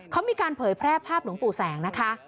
เขามีการเผยแพร่ภาพหลวงปู่แสงนะคะ